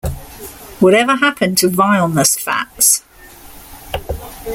Whatever Happened to Vileness Fats?